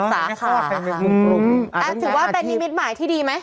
สาขาถือว่าเป็นนิมิตหมายที่ดีไหม